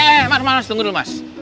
eh mas mas tunggu dulu mas